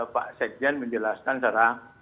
pak sekjen menjelaskan secara